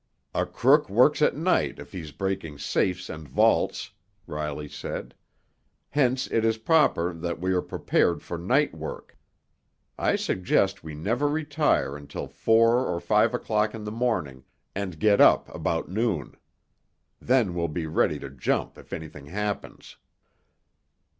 "A crook works at night if he's breaking safes and vaults," Riley said. "Hence it is proper that we are prepared for night work. I suggest we never retire until four or five o'clock in the morning and get up about noon. Then we'll be ready to jump if anything happens."